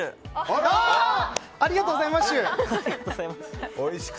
ありがとうございまっしゅ！